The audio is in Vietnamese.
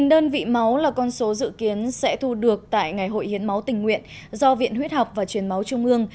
một mươi đơn vị máu là con số dự kiến sẽ thu được tại ngày hội hiến máu tình nguyện do viện huyết học và truyền máu trung ương